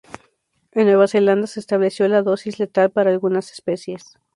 En Nueva Zelanda se estableció la dosis letal para algunas especies.